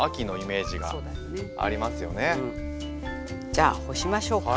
じゃあ干しましょうか。